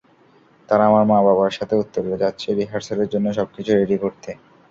তারা আমার মা-বাবার সাথে উত্তরে যাচ্ছে রিহার্সালের জন্য সবকিছু রেডি করতে।